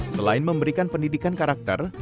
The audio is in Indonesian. selain memberikan pendidikan karakter